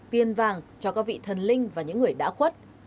tiền vàng cho các vị thần linh và những người đã khuất